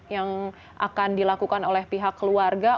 yang akan dilakukan oleh pihak keluarga